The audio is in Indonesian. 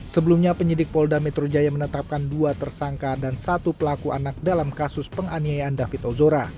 sebelumnya penyidik polda metro jaya menetapkan dua tersangka dan satu pelaku anak dalam kasus penganiayaan david ozora